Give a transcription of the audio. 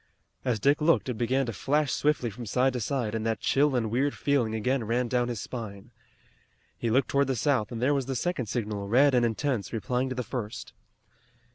As Dick looked it began to flash swiftly from side to side and that chill and weird feeling again ran down his spine. He looked toward the south and there was the second signal, red and intense, replying to the first.